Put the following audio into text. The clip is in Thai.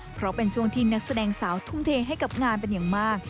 เพราะเป็นช่วงที่นักแสดงสาวทุ่มเทให้กับงานเป็นอย่างมาก